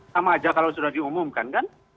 sama aja kalau sudah diumumkan kan